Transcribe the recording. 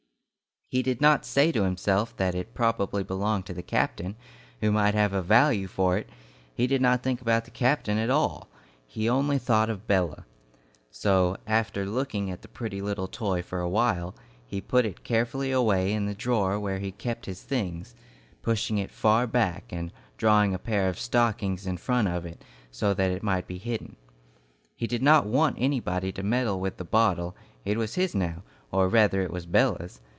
He did not say to himself that it probably belonged to the captain, who might have a value for it, he did not think about the captain at all, he only thought of Bella. So after looking at the pretty toy for a while, he put it carefully away in the drawer where he kept his things, pushing it far back, and drawing a pair of stockings in front of it, so that it might be hidden. He did not want anybody to meddle with the bottle; it was his now, or rather it was Bella's.